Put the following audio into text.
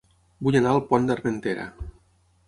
Vull anar a El Pont d'Armentera